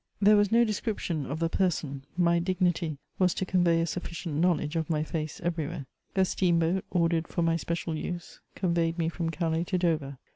There was no description of the person ; my dignity was to convey a suiHcient knowledge of my face everywhere. A steam boat, ordered for my special use, conveyed me from Calais to Dover.